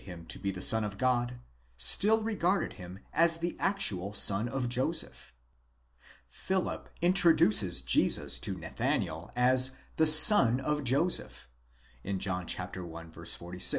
him to be the son of God, still regarded him as the actual son of Joseph. Philip introduces Jesus to Nathanael as the son of Joseph, ᾿ἴἸησοῦν τὸν υἱὸν Ἰωσὴφ (John i.